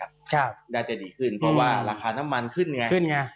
เพราะว่าราคาน้ำมันขึ้น